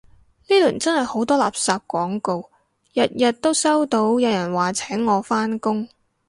呢輪真係好多垃圾廣告，日日都收到有人話請我返工